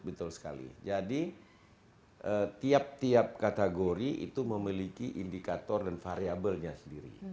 betul sekali jadi tiap tiap kategori itu memiliki indikator dan variabelnya sendiri